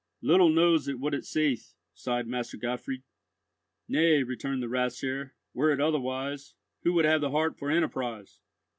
Little knows it what it saith," sighed Master Gottfried. "Nay," returned the Rathsherr, "were it otherwise, who would have the heart for enterprise?"